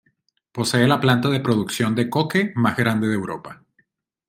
Posee la planta de producción de coque más grande de Europa.